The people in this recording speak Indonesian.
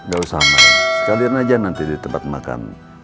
gak usah main sekalian aja nanti di tempat makan